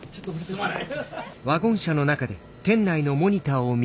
すまない。